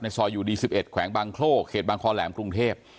ซอยอยู่ดี๑๑แขวงบางโครกเขตบางคอแหลมกรุงเทพ